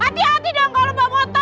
hati hati dong kalau bawa motor